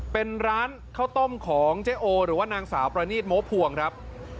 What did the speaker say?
เป็นร้านข้าวต้มของเจ๊โอหรือว่านางสาวประนีตโม้พวงครับ